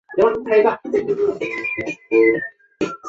妻子是美国另一位同为著名乡村音乐作者和歌手。